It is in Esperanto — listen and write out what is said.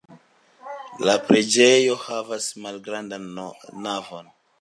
La preĝejo havas unu malgrandan navon.